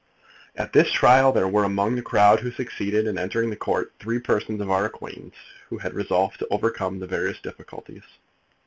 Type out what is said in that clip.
At this trial there were among the crowd who succeeded in entering the Court three persons of our acquaintance who had resolved to overcome the various difficulties.